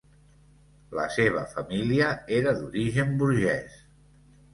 La seva família era d'origen burgès.